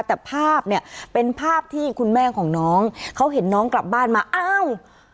แต่ภาพเนี่ยเป็นภาพที่คุณแม่ของน้องเขาเห็นน้องกลับบ้านมาอ้าว